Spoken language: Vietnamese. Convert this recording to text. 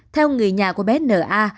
theo người nhà của bé n a